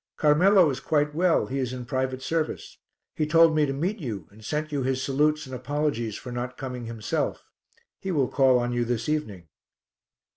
"Carmelo is quite well he is in private service. He told me to meet you and sent you his salutes and apologies for not coming himself; he will call on you this evening."